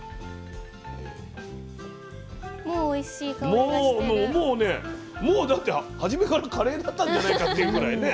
もうねもうだって初めからカレーだったんじゃないかっていうぐらいね。